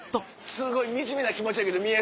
すごい惨めな気持ちやけど見える。